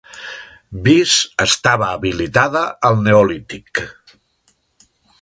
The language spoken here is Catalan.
Vis estava habitada al Neolític.